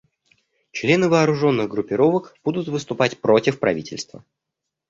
Члены вооруженных группировок будут выступать против правительства.